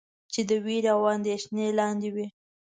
چې د وېرې او اندېښنې لاندې وئ.